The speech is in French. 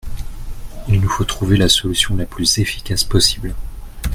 Il nous faut trouver la solution la plus efficace possible.